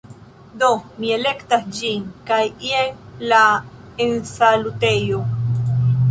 Do, mi elektas ĝin kaj jen la ensalutejo